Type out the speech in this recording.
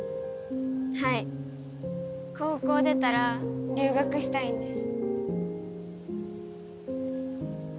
はい高校出たら留学したいんです。